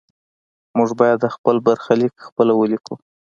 موږ باید خپل برخلیک خپله ولیکو.